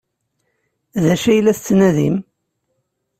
D acu ay la tettnadim?